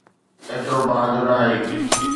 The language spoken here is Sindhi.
ايترو بهادر ناهي.